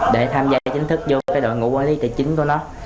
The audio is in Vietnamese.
để tham gia chính thức vô cái đội ngũ quản lý tài chính của nó